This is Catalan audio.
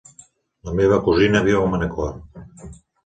La meva cosina viu a Manacor.